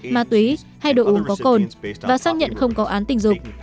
ma túy hay đồ uống có cồn và xác nhận không có án tình dục